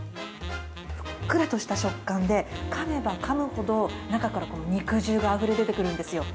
ふっくらとした食感でかめばかむほど、中から肉汁があふれ出てくるんですよ。